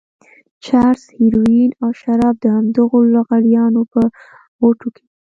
چرس، هيروين او شراب د همدغو لغړیانو په غوټو کې.